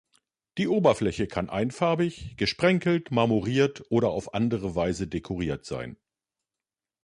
Die Oberfläche kann einfarbig, gesprenkelt, marmoriert oder auf andere Weise dekoriert sein.